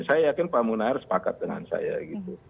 saya yakin pak munar sepakat dengan saya gitu